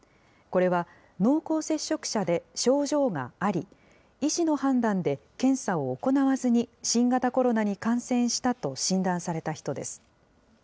これは濃厚接触者で症状があり、医師の判断で検査を行わずに新型コロナに感染したと診断された人です。